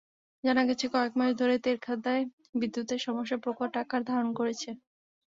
জানা গেছে, কয়েক মাস ধরে তেরখাদায় বিদ্যুতের সমস্যা প্রকট আকার ধারণ করেছে।